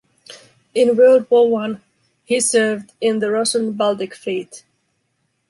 In World War I, he served in the Russian Baltic Fleet.